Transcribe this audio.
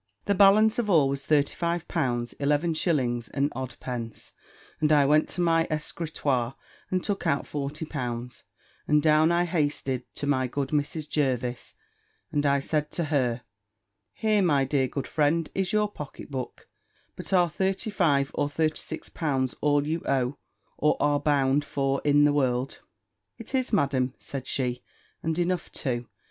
The balance of all was thirty five pounds eleven shillings and odd pence; and I went to my escritoir, and took out forty pounds, and down I hasted to my good Mrs. Jervis, and I said to her, "Here, my dear good friend, is your pocket book; but are thirty five or thirty six pounds all you owe, or are bound for in the world?" "It is, Madam," said she, "and enough too.